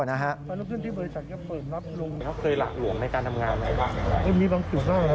หมายถึงคนที่ก่อเหตุ